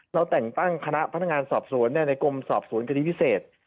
เราแต่งตั้งคณะพนักงานสอบสวนในกรมสอบสวนคดีพิเศษ